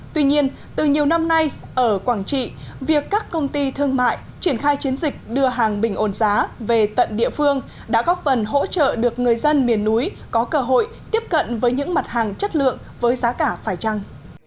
tuy nhiên từ nhiều năm nay ở quảng trị việc các công ty thương mại triển khai chiến dịch đưa hàng bình ổn giá về tận địa phương đã góp phần hỗ trợ được người dân miền núi có cơ hội tiếp cận với những mặt hàng chất lượng với giá cả phải trăng